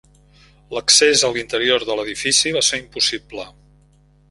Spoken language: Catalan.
L'accés a l'interior de l'edifici va ser impossible.